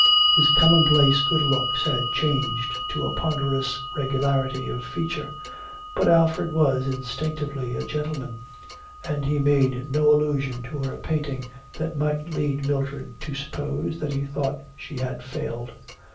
His commonplace good looks had changed to a ponderous regularity of feature. But Alfred was instinctively a gentleman, and he made no allusion to her painting that might lead Mildred to suppose that he thought that she had failed.